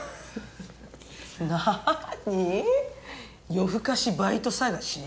夜更かしバイト探し？